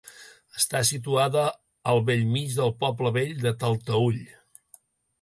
Està situada al bell mig del poble vell de Talteüll.